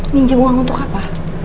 minjem uang untuk apa